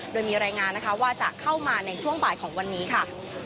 โดยมีรายงานนะคะว่าจะเข้ามาในช่วงบ่ายของวันนี้ค่ะ